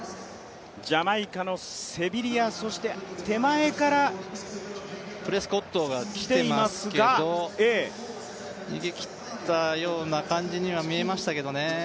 ジャマイカのセビリアそして、手前からきていますけど逃げ切ったような感じには見えましたけどね。